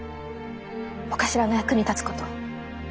お頭の役に立つこと。